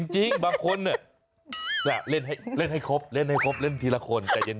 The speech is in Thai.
จริงบางคนเนี่ยเล่นให้ครบเล่นทีละคนแต่เย็น